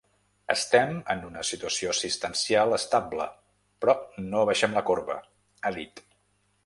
Estem en una situació assistencial estable, però no abaixem la corba, ha dit.